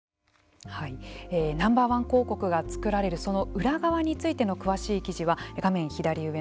Ｎｏ．１広告が作られるその裏側についての詳しい記事は画面左上